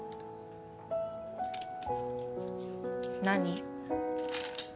何？